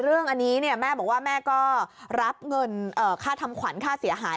เรื่องนี้แม่บอกว่าแม่ก็รับเงินค่าทำขวัญค่าเสียหาย